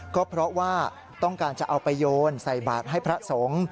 ก็เพราะว่าต้องการจะเอาไปโยนใส่บาทให้พระสงฆ์